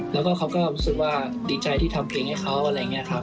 แล้วก็เขาก็รู้สึกว่าดีใจที่ทำเพลงให้เขาอะไรอย่างนี้ครับ